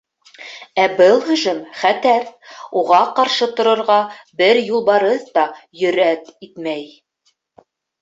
Ә был һөжүм — хәтәр, уға ҡаршы торорға бер юлбарыҫ та йөрьәт итмәй.